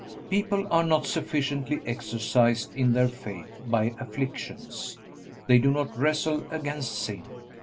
People are not sufficiently exercised in their faith by afflictions. They do not wrestle against sin.